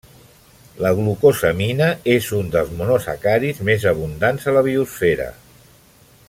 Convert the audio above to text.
La glucosamina és un dels monosacàrids més abundants a la biosfera.